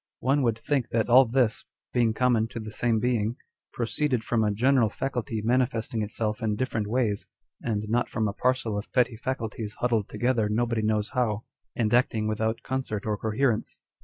One would think that all this, being common to the same being, proceeded from a general faculty manifesting itself in different ways, and not from a parcel of petty faculties huddled together nobody knows how, and acting without concert or coherence.